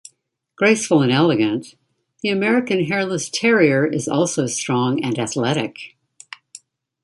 Graceful and elegant, the American Hairless Terrier is also strong and athletic.